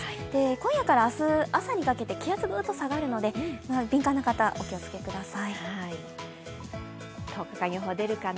今夜から明日朝にかけて気圧ぐっと下がるので敏感な方、お気を付けください。